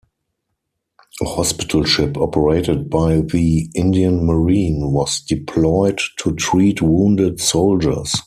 A hospital ship operated by the Indian Marine was deployed to treat wounded soldiers.